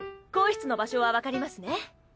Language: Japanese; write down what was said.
更衣室の場所はわかりますね。